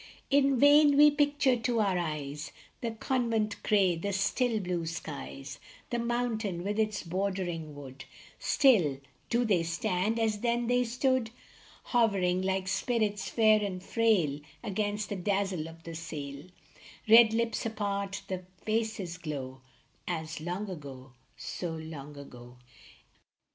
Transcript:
In vain we picture to our eyes The convent gray, the still, blue skies, The mountain with its bordering wood ; Still do they stand as then they stood, Hovering like spirits fair and frail Against the dazzle of the sail ; The red lips part, the faces glow, As long ago, so long ago